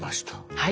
はい。